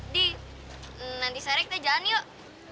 di nanti seharian kita jalan yuk